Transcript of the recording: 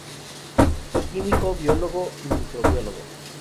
Fue químico, biólogo y microbiólogo.